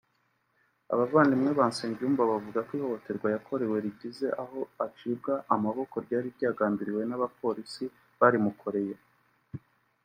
Abavandimwe ba Nsengiyumva bavuga ihohoterwa yakorewe rigeze aho acibwa amaboko ryali ryagambiriwe n’abapolisi barimukoreye